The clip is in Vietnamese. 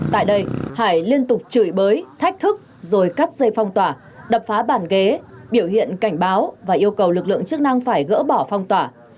tại đây hải liên tục chửi bới thách thức rồi cắt dây phong tỏa đập phá bàn ghế biểu hiện cảnh báo và yêu cầu lực lượng chức năng phải gỡ bỏ phong tỏa